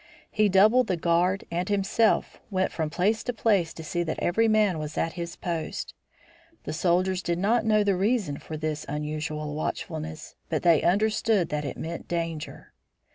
He doubled the guard and himself went from place to place to see that every man was at his post. The soldiers did not know the reason for this unusual watchfulness, but they understood that it meant danger.